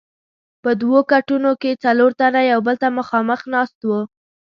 په دوو کټونو کې څلور تنه یو بل ته مخامخ ناست وو.